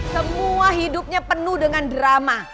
semua hidupnya penuh dengan drama